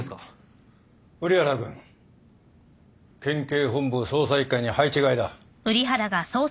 瓜原君県警本部捜査一課に配置換えだ。